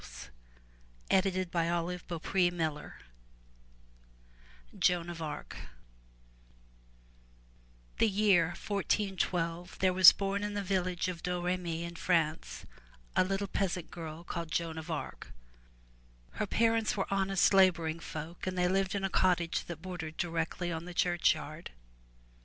305 MY BOOK HOUSE JOAN OF ARC the year 1412, there was born in the village of Dom re my' in France, a little peasant girl called Joan of Arc. Her parents were honest laboring folk and they lived in a cottage that bordered directly on the churchyard.